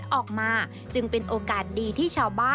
โหเม็ดบัวอบ